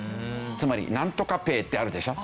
つまりなんとかペイってあるでしょ？